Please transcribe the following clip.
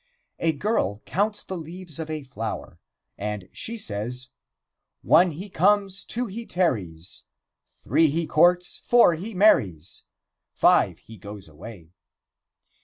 A girl counts the leaves of a flower, and she says: "One, he comes; two, he tarries; three, he courts; four, he marries; five, he goes away."